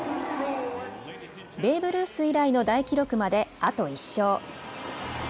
ベーブ・ルース以来の大記録まであと１勝。